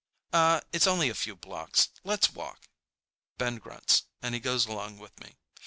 "Aw, it's only a few blocks. Let's walk." Ben grunts, and he goes along with me.